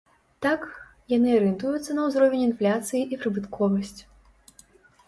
Так, яны арыентуюцца на ўзровень інфляцыі і прыбытковасць.